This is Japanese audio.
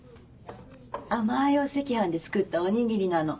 甘いお赤飯で作ったおにぎりなの。